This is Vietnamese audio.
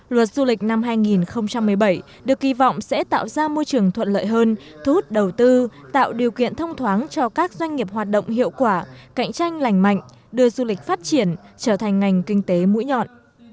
luật du lịch năm hai nghìn một mươi bảy được kỳ vọng sẽ tạo ra môi trường thuận lợi hơn thu hút đầu tư tạo điều kiện thông thoáng cho các doanh nghiệp hoạt động hiệu quả cạnh tranh lành mạnh đưa du lịch phát triển trở thành ngành kinh tế mũi nhọn